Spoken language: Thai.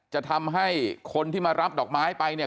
จะทำให้คนที่มารับดอกไม้ไปเนี่ย